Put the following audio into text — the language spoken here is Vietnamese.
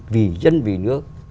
vì dân vì nước